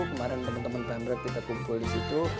kemaren temen temen pemerik kita kumpul di situ